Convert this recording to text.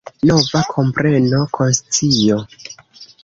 Nova kompreno, konscio.